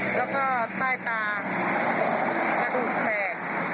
แล้วก็ใต้ตากระดูกแตก